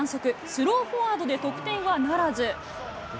スローフォワードで得点はならず。